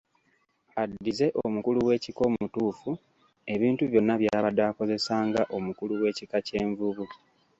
Addize omukulu w'ekika omutuufu, ebintu byonna by'abadde akozesa nga omukulu w'ekika ky'envubu.